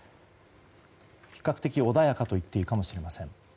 比較的、穏やかといっていいかもしれません。